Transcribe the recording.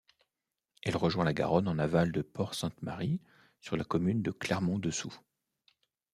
Elle rejoint la Garonne en aval de Port-Sainte-Marie sur la commune de Clermont-Dessous.